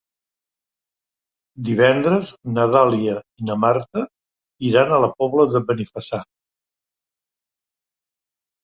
Divendres na Dàlia i na Marta iran a la Pobla de Benifassà.